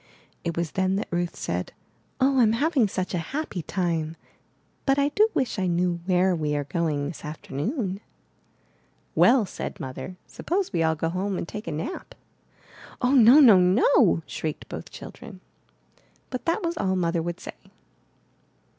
It was then that Ruth said: *'0h, Fm having such a happy time, but I do wish I knew where we are going this afternoon.'' Well,*' said Mother, suppose we all go home and take a nap!'* '*0h, no, no, no!'* shrieked both children. 408 IN THE NURSERY But that was all Mother would say.